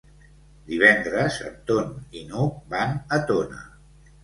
Divendres en Ton i n'Hug van a Tona.